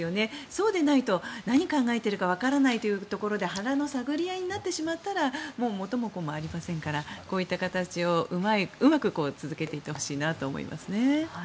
そうでないと何考えているかわからないというところで腹の探り合いになってしまったらもう元も子もありませんからこういった形をうまく続けていってほしいなと思いますね。